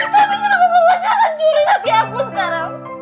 tapi kenapa kamu masih akan curi hati aku sekarang